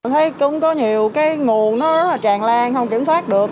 thấy cũng có nhiều cái nguồn nó rất là tràn lan không kiểm soát được